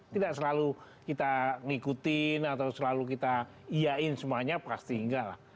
tidak selalu kita ngikutin atau selalu kita iain semuanya pasti enggak lah